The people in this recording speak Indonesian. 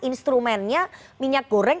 instrumennya minyak goreng